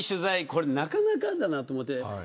これ、なかなかだなと思って。